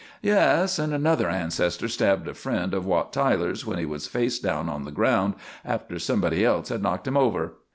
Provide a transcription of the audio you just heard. Yes, and another ancestor stabbed a friend of Wat Tyler's when he was face down on the ground, after somebody else had knocked him over.